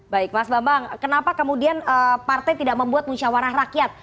baik mas bambang kenapa kemudian partai tidak membuat musyawarah rakyat